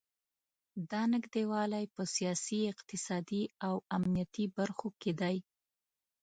دا نږدې والی په سیاسي، اقتصادي او امنیتي برخو کې دی.